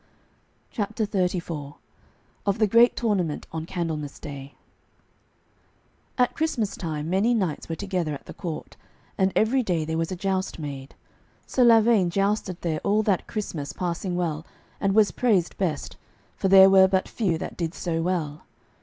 CHAPTER XXXIV OF THE GREAT TOURNAMENT ON CANDLEMAS DAY At Christmas time many knights were together at the court, and every day there was a joust made. Sir Lavaine jousted there all that Christmas passing well, and was praised best, for there were but few that did so well.